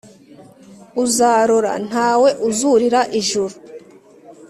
uzarora ntawe uzurira ijuru,